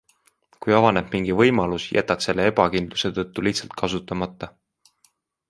Kui avaneb mingi võimalus, jätad selle ebakindluse tõttu lihtsalt kasutamata.